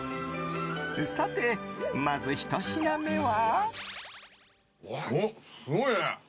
さて、まず１品目は。